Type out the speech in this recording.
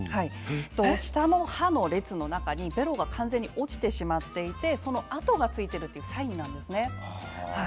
下の歯の列の中にベロが完全に落ちてしまっていてそれに痕がついているサインなんですね。